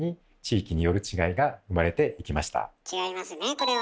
これは。